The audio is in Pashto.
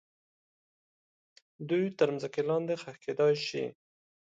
دوی تر مځکې لاندې ښخ کیدای سي.